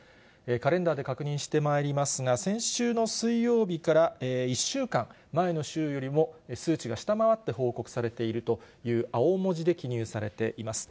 カレンダーで確認してまいりますが、先週の水曜日から１週間、前の週よりも数値が下回って報告されているという青文字で記入されています。